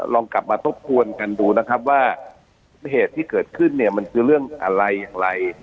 ลองกลับมาทบทวนกันดูนะครับว่าเหตุที่เกิดขึ้นเนี่ยมันคือเรื่องอะไรอย่างไร